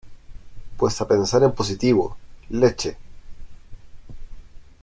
pues a pensar en positivo. leche .